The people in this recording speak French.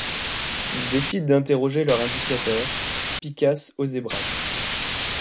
Ils décident d’interroger leur indicateur, Picas Osebracs.